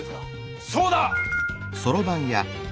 そうだ！